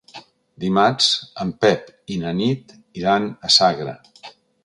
Dimarts en Pep i na Nit iran a Sagra.